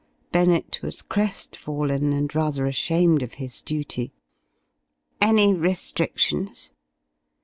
Bennett was crestfallen and rather ashamed of his duty. "Any restrictions?"